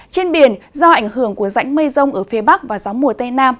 trên biển do ảnh hưởng của rãnh mây rông ở phía bắc và gió mùa tây nam